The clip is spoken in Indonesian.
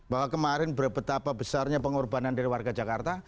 bahwa kemarin betapa besarnya pengorbanan dari warga jakarta